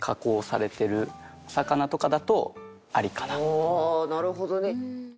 ああなるほどね！